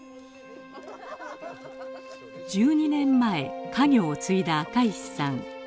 １２年前家業を継いだ赤石さん。